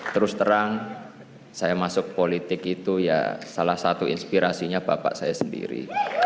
terus terang saya masuk politik itu ya salah satu inspirasinya bapak saya sendiri